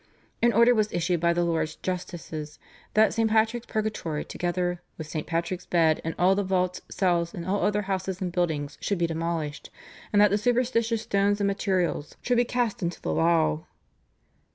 An order was issued by the Lords Justices that St. Patrick's Purgatory together "with St. Patrick's bed and all the vaults, cells, and all other houses and buildings should be demolished, and that the superstitious stones and material should be cast into the lough."